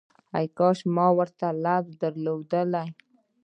کاش ما ورته الفاظ درلودلای